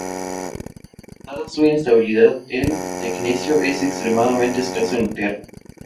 Dada su inestabilidad, el tecnecio es extremadamente escaso en la Tierra.